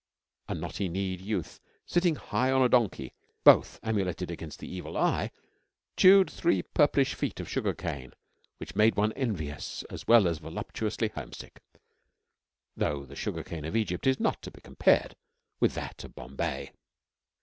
A knotty kneed youth sitting high on a donkey, both amuleted against the evil eye, chewed three purplish feet of sugar cane, which made one envious as well as voluptuously homesick, though the sugar cane of Egypt is not to be compared with that of Bombay.